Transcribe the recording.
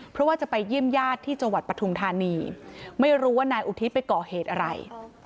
เพราะว่าจะไปเยี่ยมญาติที่จังหวัดปฐุมธานีไม่รู้ว่านายอุทิศไปก่อเหตุอะไร